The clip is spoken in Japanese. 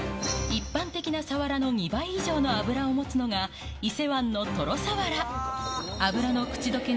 一般的なさわらの２倍以上の脂を持つのが、伊勢湾のトロさわら。